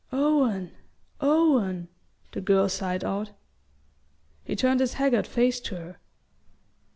"Owen, Owen " the girl sighed out. He turned his haggard face to her.